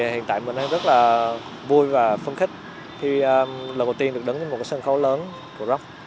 hiện tại mình đang rất là vui và phân khích khi lần đầu tiên được đứng trên một sân khấu lớn của rock